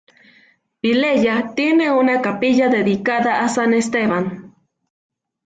Vilella tiene una capilla dedicada a san Esteban.